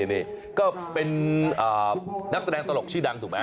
นี่ก็เป็นนักแสดงตลกชื่อดังถูกไหม